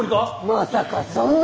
まさかそんな。